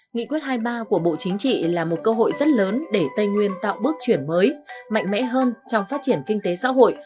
nghị quyết hai mươi ba của bộ chính trị là một cơ hội rất lớn để tây nguyên tạo bước chuyển mới mạnh mẽ hơn trong phát triển kinh tế xã hội